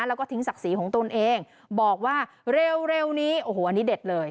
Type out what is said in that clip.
แล้วก็ทิ้งศักดิ์ศรีของตนเองบอกว่าเร็วนี้โอ้โหอันนี้เด็ดเลย